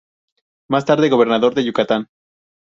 Más tarde gobernador de Yucatán.